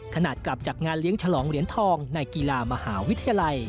กลับจากงานเลี้ยงฉลองเหรียญทองในกีฬามหาวิทยาลัย